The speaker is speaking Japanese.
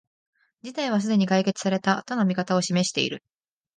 事態はすでに解決された、との見方を示している